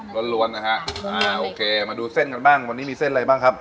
ล้วนนะฮะอ่าโอเคมาดูเส้นกันบ้างวันนี้มีเส้นอะไรบ้างครับ